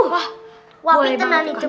wah wapit tenang itu